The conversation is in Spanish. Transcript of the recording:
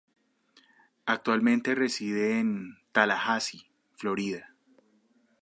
Actualmente reside en Tallahassee, Florida.